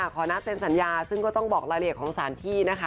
ขอนัดเซ็นสัญญาซึ่งก็ต้องบอกรายละเอียดของสารที่นะคะ